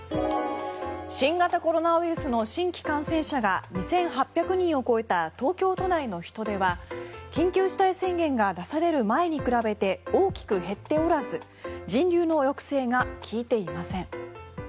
新型コロナウイルスの新規感染者が２８００人を超えた東京都内の人出は緊急事態宣言が出される前に比べて大きく減っておらず人流の抑制が利いていません。